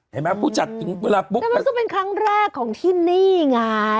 เห็นไหมผู้จัดถึงเวลาปุ๊บกว่าแต่มันรู้สึกเป็นครั้งแรกของที่นี่ไง